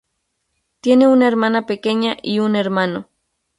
Tiene una hermana pequeña y un hermano.